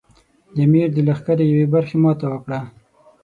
د امیر د لښکر یوې برخې ماته وکړه.